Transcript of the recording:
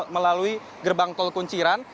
melalui gerbang tol kunciran